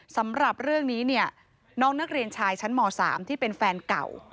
สำหรับเรื่องนี้เนี่ยน้องนักเรียนชายชั้นม๓ที่เป็นแฟนเก่า